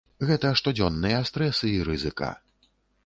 Гэта штодзённыя стрэсы і рызыка.